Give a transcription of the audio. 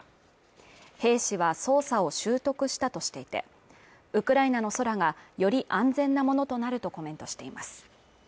兵士は操作を習得したとしていて、ウクライナの空がより安全なものとなるとコメントしています。